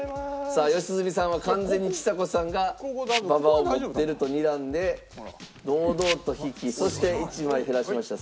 さあ良純さんは完全にちさ子さんがババを持ってるとにらんで堂々と引きそして１枚減らしました。